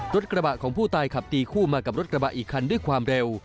รถกระบะของผู้ตายขับตีคู่มากับรถกระบะอีกคันด้วยความเร็ว